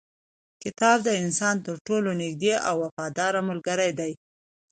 کتاب د انسان تر ټولو نږدې او وفاداره ملګری دی.